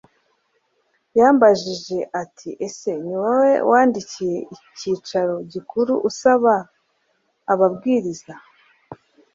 yarambajije ati ese ni wowe wandikiye icyicaro gikuru usaba ababwiriza